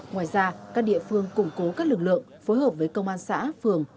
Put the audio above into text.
ngoài ra các địa phương củng cố các lực lượng phối hợp với công an xã phường